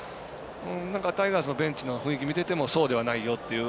タイガースのベンチの雰囲気を見ててもそうではないよという。